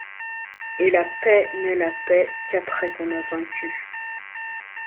Et la paix n'est la paix qu'après qu'on a vaincu.